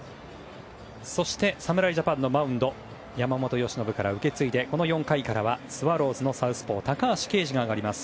そして侍ジャパンのマウンド山本由伸から受け継いでこの４回からはスワローズのサウスポー高橋奎二が上がります。